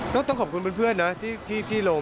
ต้องขอบคุณเพื่อนนะที่ลง